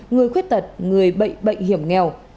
người khuyết tật người bệnh bệnh hiểm nghèo